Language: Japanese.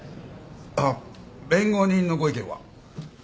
あっ弁護人のご意見は？